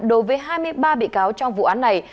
đối với hai mươi ba bị cáo trong vụ án này